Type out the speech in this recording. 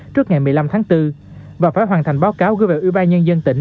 trước ngày một mươi năm tháng bốn và phải hoàn thành báo cáo gửi về ubnd tỉnh